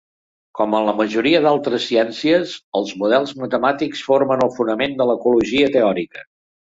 Com en la majoria d'altres ciències els models matemàtics formen el fonament de l'ecologia teòrica.